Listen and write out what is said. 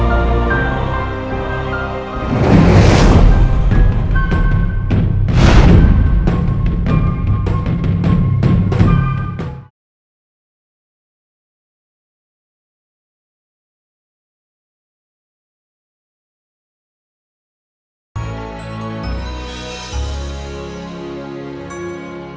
aku harus melakukan ini